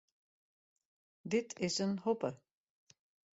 Dit is in hoppe.